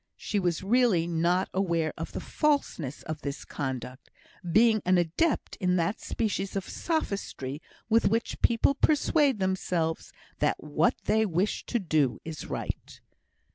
She was really not aware of the falseness of this conduct; being an adept in that species of sophistry with which people persuade themselves that what they wish to do is right.